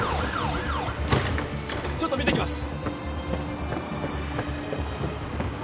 ちょっと見てきます